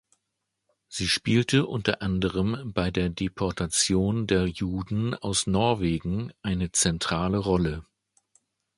Sie spielte unter anderem bei der Deportation der Juden aus Norwegen eine zentrale Rolle.